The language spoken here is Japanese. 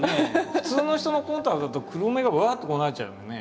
普通の人のコンタクトだと黒目がわっとこうなっちゃうよね。